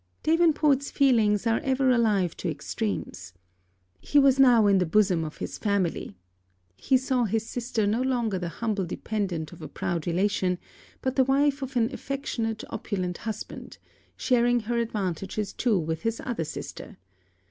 Davenport's feelings are ever alive to extremes. He was now in the bosom of his family. He saw his sister no longer the humble dependent of a proud relation, but the wife of an affectionate opulent husband, sharing her advantages too with his other sister.